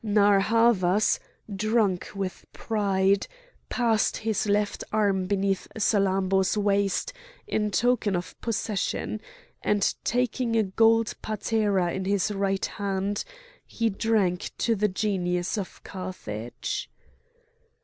Narr' Havas, drunk with pride, passed his left arm beneath Salammbô's waist in token of possession; and taking a gold patera in his right hand, he drank to the Genius of Carthage.